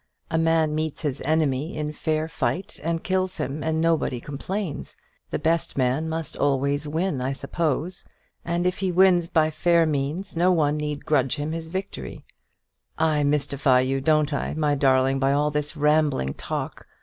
A man meets his enemy in fair fight and kills him, and nobody complains. The best man must always win, I suppose; and if he wins by fair means, no one need grudge him his victory. I mystify you, don't I, my darling, by all this rambling talk?